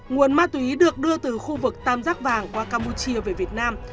nguồn ma túy được đưa từ khu vực tam giác vàng qua campuchia về việt nam